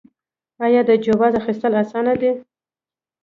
آیا د جواز اخیستل اسانه دي؟